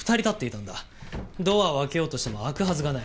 ドアを開けようとしても開くはずがない。